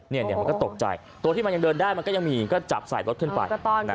มันก็ตกใจตัวที่มันยังเดินได้มันก็ยังมีก็จับใส่รถขึ้นไป